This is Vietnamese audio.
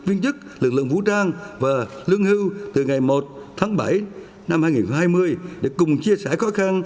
viên chức lực lượng vũ trang và lương hưu từ ngày một tháng bảy năm hai nghìn hai mươi để cùng chia sẻ khó khăn